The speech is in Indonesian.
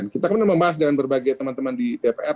kita kemudian membahas dengan berbagai teman teman di dpr